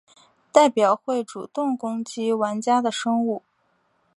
代表会主动攻击玩家的生物。